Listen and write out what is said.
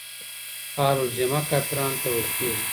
اهل الذمه کافرانو ته ويل کيږي.